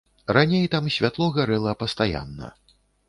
Раней там святло гарэла пастаянна.